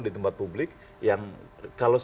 di tempat publik yang kalau